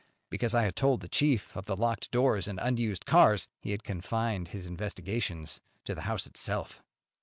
Because I had told the chief of the locked doors and unused cars, he had confined his investigations to the house itself.